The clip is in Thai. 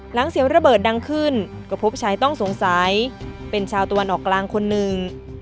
เสียงระเบิดดังขึ้นก็พบชายต้องสงสัยเป็นชาวตะวันออกกลางคนหนึ่ง